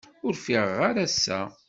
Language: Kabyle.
Ur ffiɣeɣ ara ass-a.